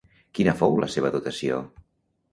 Quina fou la seva dotació?